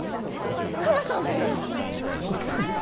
クマさんだよね？